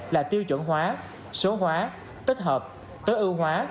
là tiêu chuẩn hóa số hóa tích hợp tối ưu hóa